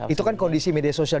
itu kan kondisi media sosial